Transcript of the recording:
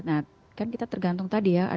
nah kan kita tergantung tadi ya